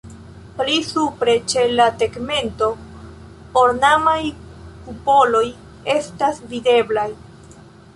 Pli supre ĉe la tegmento ornamaj kupoloj estas videblaj.